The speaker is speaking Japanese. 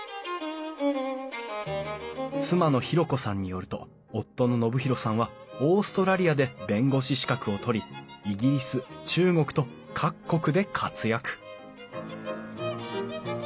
妻の裕子さんによると夫の信博さんはオーストラリアで弁護士資格を取りイギリス中国と各国で活躍！